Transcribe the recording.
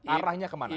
arahnya ke mana